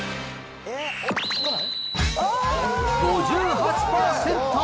５８％。